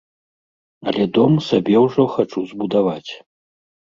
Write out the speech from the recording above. Але дом сабе ўжо хачу збудаваць.